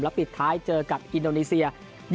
ปิดท้ายเจอกับอินโดนีเซีย